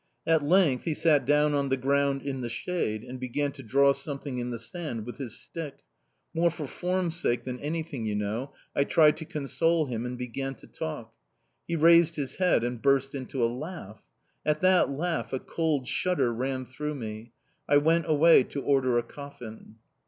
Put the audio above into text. At length he sat down on the ground in the shade and began to draw something in the sand with his stick. More for form's sake than anything, you know, I tried to console him and began to talk. He raised his head and burst into a laugh! At that laugh a cold shudder ran through me... I went away to order a coffin.